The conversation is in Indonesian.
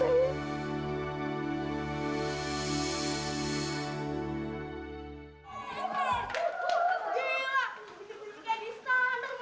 enggak boleh putus asa